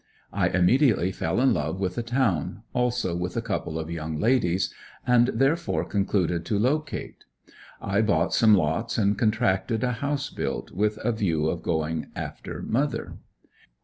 I immediately fell in love with the town, also with a couple of young ladies, and therefore concluded to locate. I bought some lots and contracted a house built, with a view of going after mother.